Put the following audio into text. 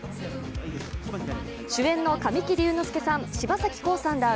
主演の神木隆之介さん、柴咲コウさんら